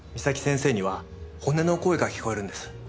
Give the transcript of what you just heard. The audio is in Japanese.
岬先生には骨の声が聞こえるんです。